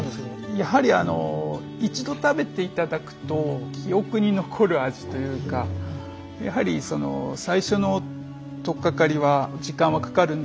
やはりあの一度食べていただくと記憶に残る味というかやはり最初の取っかかりは時間はかかるんですけど